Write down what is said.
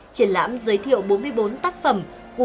triển lãm giới thiệu bốn mươi bốn tác phẩm